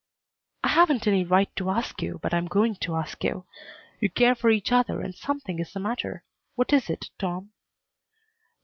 "I haven't any right to ask you, but I'm going to ask you. You care for each other and something is the matter. What is it, Tom?"